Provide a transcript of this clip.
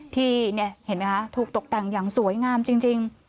ที่เห็นไหมคะถูกตกแต่งอย่างสวยงามจริง